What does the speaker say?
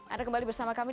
anda kembali bersama kami